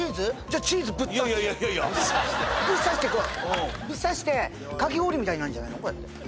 じゃあブッ刺してこうブッ刺してかき氷みたいになんじゃないの？